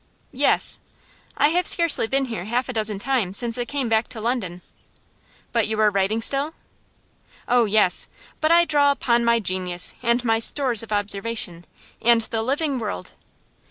'Yes.' 'I have scarcely been here half a dozen times since I came back to London.' 'But you are writing still?' 'Oh yes! But I draw upon my genius, and my stores of observation, and the living world.